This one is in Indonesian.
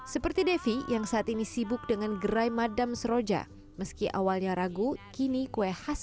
seperti devi yang saat ini sibuk dengan gerai madam seroja meski awalnya ragu kini kue khas